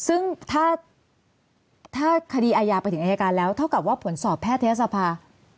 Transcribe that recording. ซึ่งถ้าคดีอาญาไปถึงอายการแล้วเท่ากับว่าผลสอบแพทยศภา